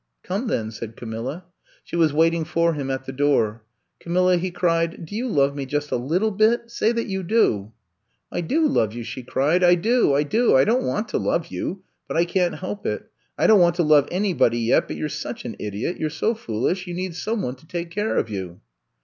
"Come then," said Camilla. She was waiting for him at the door. Camilla," he cried, do you love me just a little bit t Say that you do. '' "I do love you," she cried. I do; I do I I don 't want to love you, but I can 't help it. I don 't want to love anybody yet^ but you 're such an idiot, you 're so foolish,, you need some one to take care of you.